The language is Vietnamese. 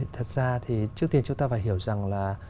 thật ra thì trước tiên chúng ta phải hiểu rằng là